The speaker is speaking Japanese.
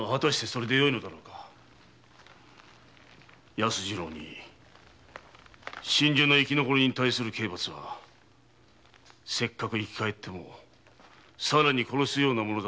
安次郎に心中の生き残りに対する刑罰はせっかく生き返ってもさらに殺すようなものだと言われ胸が傷んだ。